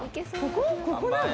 ここなの？